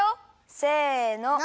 せの！